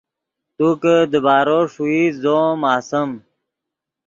تو کہ دیبارو ݰوئیت زو ام اوئیم